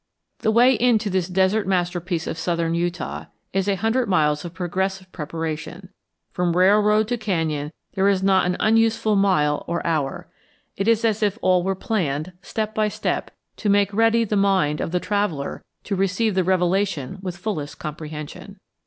The way in to this desert masterpiece of southern Utah is a hundred miles of progressive preparation. From railroad to canyon there is not an unuseful mile or hour. It is as if all were planned, step by step, to make ready the mind of the traveller to receive the revelation with fullest comprehension.